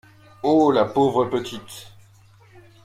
Ô la pauvre petite!